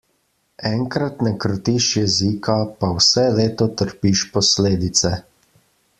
Enkrat ne krotiš jezika, pa vse leto trpiš posledice.